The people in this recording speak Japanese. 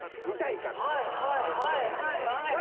見たいから。